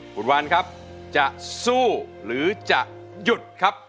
หมุนวันจะสู้หรือจะหยุด